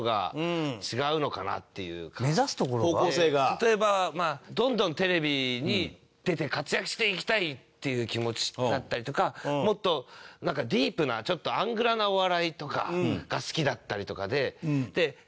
例えばどんどんテレビに出て活躍していきたいっていう気持ちだったりとかもっとディープなちょっとアングラなお笑いとかが好きだったりとかで。